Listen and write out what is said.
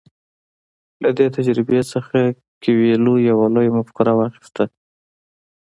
له دې تجربې څخه کویلیو یوه لویه مفکوره واخیسته.